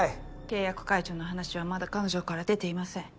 契約解除の話はまだ彼女から出ていません。